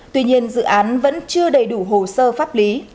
tuy nhiên dự án vẫn chưa đầy đủ hồ sơ pháp lý